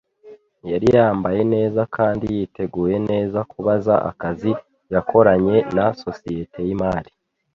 yari yambaye neza kandi yiteguye neza kubaza akazi yakoranye na societe yimari.